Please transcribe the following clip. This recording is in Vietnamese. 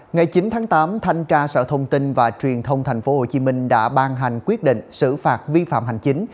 ngày chín tháng tám thanh tra sở thông tin và truyền thông tp hcm đã ban hành quyết định xử phạt vi phạm hành chính